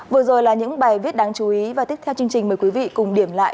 vừa rồi là những bài viết đáng chú ý và tiếp theo chương trình mời quý vị cùng điểm lại